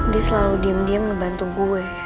dia selalu diem diem ngebantu gue